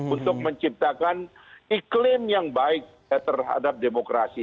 untuk menciptakan iklim yang baik terhadap demokrasi